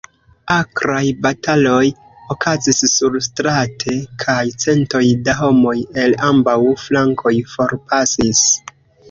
Akraj bataloj okazis surstrate, kaj centoj da homoj el ambaŭ flankoj forpasis.